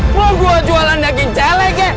mau gue jualan daging celek ya